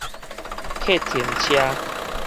客停車